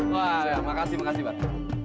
wah ya makasih makasih bang